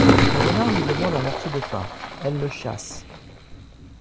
Le renard lui demande un morceau de pain ; elle le chasse.